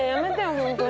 本当に。